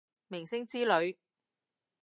明星之類